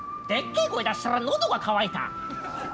でっけえ声出したら喉が渇いた。